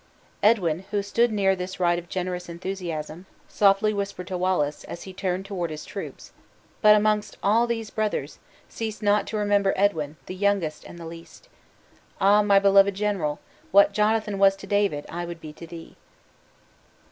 Edwin, who stood near this rite of generous enthusiasm, softly whispered to Wallace, as he turned toward his troops, "But amongst all these brothers, cease not to remember Edwin the youngest and the least. Ah, my beloved general, what Jonathan was to David, I would be to thee!"